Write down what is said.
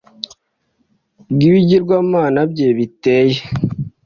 bw ibigirwamana bye biteye